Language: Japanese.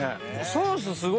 ソースすごいです。